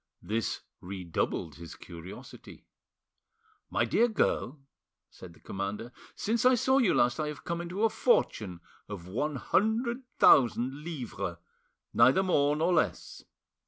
This redoubled his curiosity. "My dear girl," said the commander, "since I saw you last I have come into a fortune of one hundred thousand livres, neither more nor less.